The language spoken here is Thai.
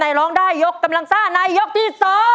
แต่ร้องได้ยกกำลังซ่าในยกที่๒